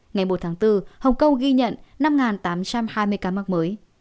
ngày một tháng bốn hồng kông ghi nhận năm tám trăm hai mươi ca mắc mới